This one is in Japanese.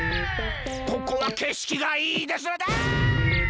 ここはけしきがいいですねああ！